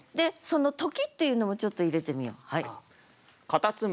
「時」っていうのもちょっと入れてみよう。